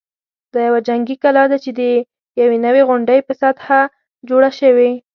دا یوه جنګي کلا ده چې د یوې غونډۍ په سطحه جوړه شوې.